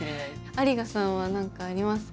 有賀さんは何かありますか？